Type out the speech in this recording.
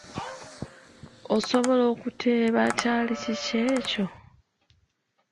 Osobola okuteeba kyali kiki ekyo?